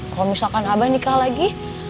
kalau misalkan abah nikah lagi